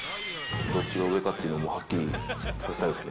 どっちが上かっていうのは、もうはっきりさせたいですね。